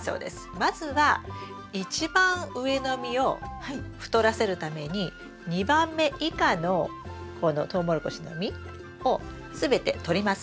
まずは一番上の実を太らせるために２番目以下のこのトウモロコシの実を全て取ります。